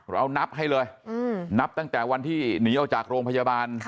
เรานับให้เลยนับตั้งแต่วันที่หนีออกจากโรงพยาบาล